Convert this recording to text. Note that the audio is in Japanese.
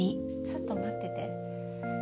ちょっと待ってて。